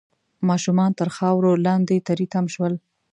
ماشومان تر خاورو لاندې تري تم شول